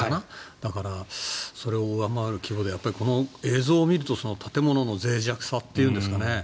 だからそれを上回る規模でこの映像を見ると建物のぜい弱さというんですかね。